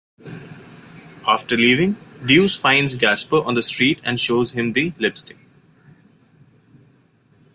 After leaving, Deuce finds Gaspar on the street and shows him the lipstick.